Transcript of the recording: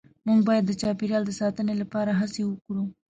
مونږ باید د چاپیریال د ساتنې لپاره هڅې وکړو